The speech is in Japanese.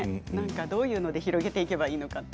どういうので広げればいいのか。